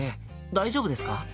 大丈夫ですか？